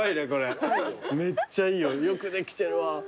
よくできてるわ。